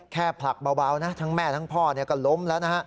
แค่ผลักเบาทั้งแม่ทั้งพ่อก็ล้มแล้ว